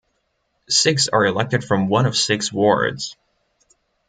Six are elected from one of six wards.